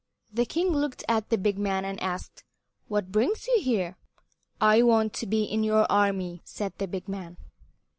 The king looked at the big man and asked, "What brings you here?" "I want to be in your army," said the big man.